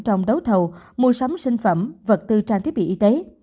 trong đấu thầu mua sắm sinh phẩm vật tư trang thiết bị y tế